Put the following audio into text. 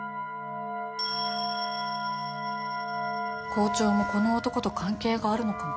校長もこの男と関係があるのかも。